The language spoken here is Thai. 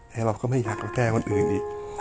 แล้วเราก็ไม่อยากจะแก้วันอื่นอีก